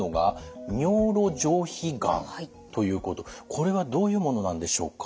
これはどういうものなんでしょうか？